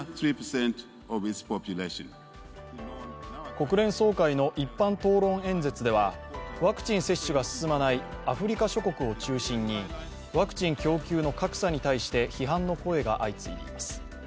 国連総会の一般討論演説ではワクチン接種が進まないアフリカ諸国を中心に、ワクチン供給の格差に対して批判の声が相次いでいます。